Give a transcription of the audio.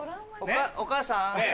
お母さん。